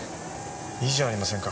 いいじゃありませんか。